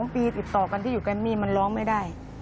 ๒ปีติดต่อกันที่อยู่แกรมมี่มันร้องไม่ได้